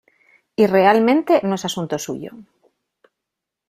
Y realmente, no es asunto suyo.